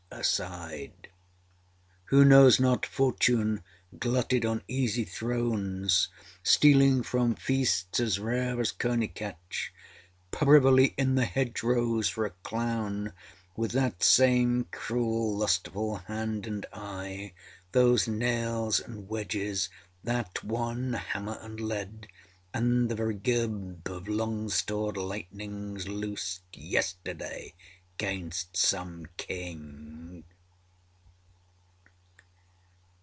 (Aside) Who knows not Fortune, glutted on easy thrones, Stealing from feasts as rare to coneycatch, Privily in the hedgerows for a clown With that same cruel lustful hand and eye, Those nails and wedges, that one hammer and lead, And the very gerb of long stored lightnings loosed Yesterday âgainst some King.